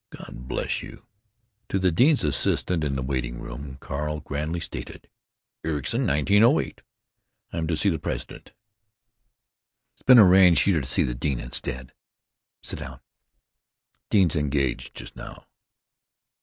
God bless you." To the dean's assistant, in the waiting room, Carl grandly stated: "Ericson, 1908. I'm to see the president." "It's been arranged you're to see the dean instead. Sit down. Dean's engaged just now."